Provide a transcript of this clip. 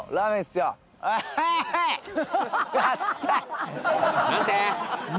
やった！